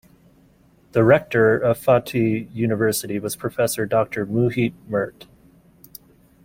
The rector of Fatih University was Professor Doctor Muhit Mert.